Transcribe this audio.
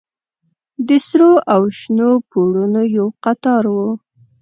د سرو او شنو پوړونو يو قطار و.